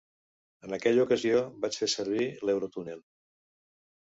En aquella ocasió vaig fer servir l'Eurotúnel.